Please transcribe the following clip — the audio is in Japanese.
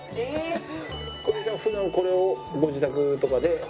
これじゃあ普段これをご自宅とかで。